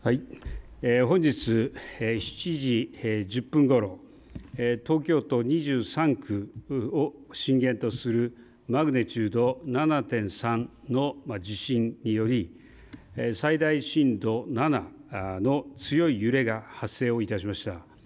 本日７時１０分ごろ、東京都２３区を震源とするマグニチュード７．３の地震により最大震度７の強い揺れが発生をいたしました。